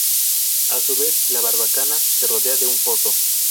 A su vez, la barbacana se rodea de un foso.